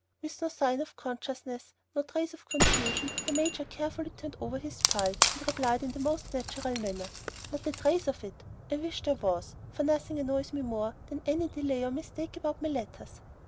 With no sign of consciousness, no trace of confusion, the major carefully turned over his pile, and replied in the most natural manner, "Not a trace of it; I wish there was, for nothing annoys me more than any delay or mistake about my letters."